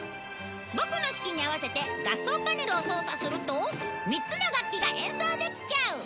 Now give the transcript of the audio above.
ボクの指揮に合わせて合奏パネルを操作すると３つの楽器が演奏できちゃう！